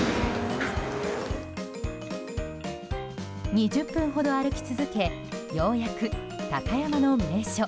２０分ほど歩き続けようやく高山の名所